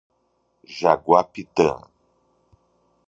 Jaguapitã